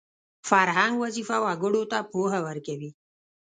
فرهنګ وظیفه وګړو ته پوهه ورکوي